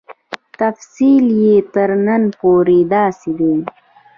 تفصیل یې تر نن پورې داسې دی.